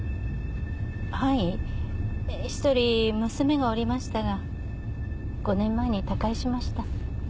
はい１人娘がおりましたが５年前に他界しました。